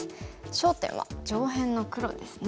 焦点は上辺の黒ですね。